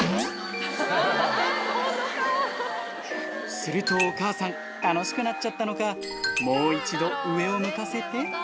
するとお母さん楽しくなっちゃったのかもう一度